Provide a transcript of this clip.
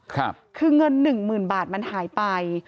คือเงินหนึ่งหมื่นบาทมันหายไป